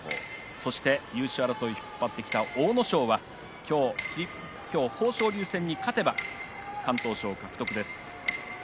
そして優勝争いを引っ張ってきた阿武咲は今日、豊昇龍戦に勝てば敢闘賞を獲得です。